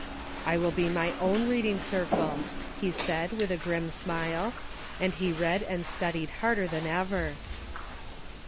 " I will be my own reading circle," he said, with a grim smile ; and he read and studied harder than ever.